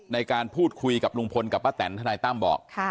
ในการพูดคุยกับลุงพลกับป้าแตนทนายตั้มบอก